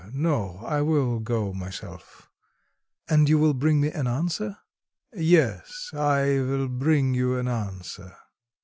No, I will go myself." "And you will bring me an answer?" "Yes, I will bring you an answer."